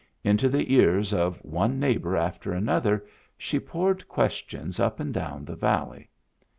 Into the ears of one neighbor after another she poured questions up and down the valley.